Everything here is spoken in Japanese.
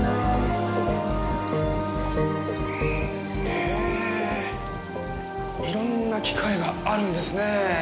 へぇ色んな機械があるんですねぇ。